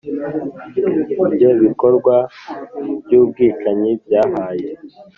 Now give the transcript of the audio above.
ibyo bikorwa by'ubwicanyi byahaye